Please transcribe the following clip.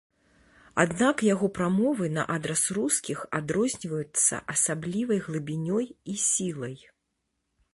Аднак яго прамовы на адрас рускіх адрозніваюцца асаблівай глыбінёй і сілай.